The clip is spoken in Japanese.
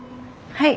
はい。